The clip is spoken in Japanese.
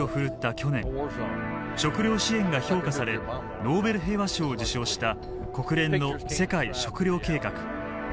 去年食料支援が評価されノーベル平和賞を受賞した国連の世界食糧計画・ＷＦＰ。